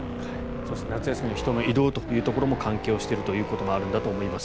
そして夏休みの人の移動というところも関係しているところもあるんだと思います。